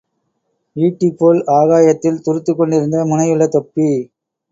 ஈட்டிபோல் ஆகாயத்தில் துருத்திக்கொண்டிருந்த முனையுள்ள தொப்பி.